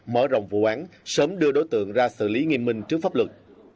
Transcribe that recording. mở rộng vụ án sớm đưa đối tượng ra xử lý nghiêm minh trước pháp luật